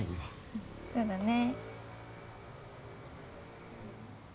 うんそうだね